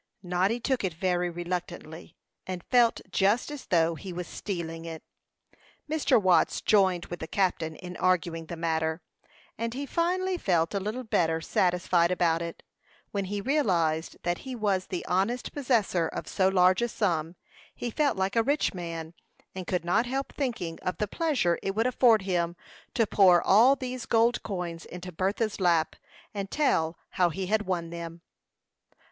Noddy took it very reluctantly, and felt just as though he was stealing it. Mr. Watts joined with the captain in arguing the matter, and he finally felt a little better satisfied about it. When he realized that he was the honest possessor of so large a sum, he felt like a rich man, and could not help thinking of the pleasure it would afford him to pour all these gold coins into Bertha's lap, and tell how he had won them.